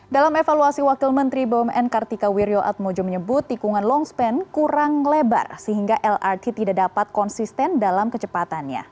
dalam evaluasi wakil menteri bumn kartika wirjoatmojo menyebut tikungan longspan kurang lebar sehingga lrt tidak dapat konsisten dalam kecepatannya